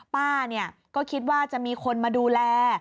ป้าก็คิดว่าจะมีคนมาดูแล